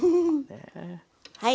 はい。